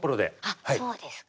あっそうですか。